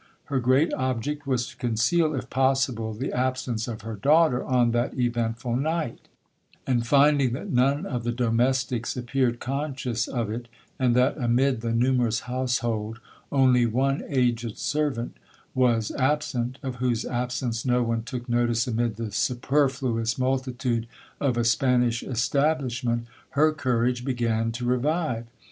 —Her great object was to conceal, if possible, the absence of her daughter on that eventful night; and finding that none of the domestics appeared conscious of it, and that amid the numerous household, only one aged servant was absent, of whose absence no one took notice amid the superfluous multitude of a Spanish establishment, her courage began to revive.